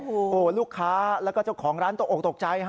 โอ้โหลูกค้าแล้วก็เจ้าของร้านตกออกตกใจฮะ